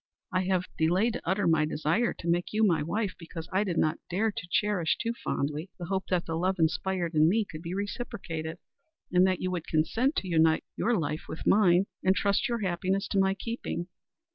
I have delayed to utter my desire to make you my wife because I did not dare to cherish too fondly the hope that the love inspired in me could be reciprocated, and that you would consent to unite your life to mine and trust your happiness to my keeping.